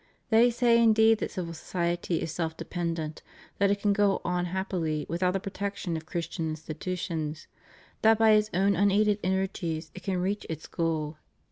They say indeed that civil society is self dependent, that it can go on happily without the protection of Christian institutions, that by its own unaided energies it can reach its goal.